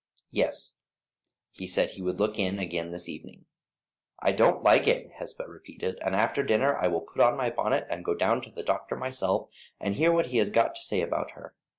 "Yes; he said he would look in again this evening." "I don't like it," Hesba repeated, "and after dinner I will put on my bonnet and go down to the doctor myself and hear what he has got to say about her.